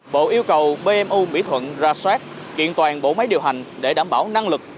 bộ yêu cầu bmu mỹ thuận ra soát kiện toàn bộ máy điều hành để đảm bảo năng lực